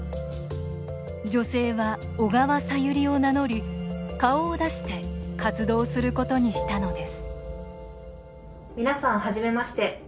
女性は「小川さゆり」を名乗り顔を出して活動することにしたのです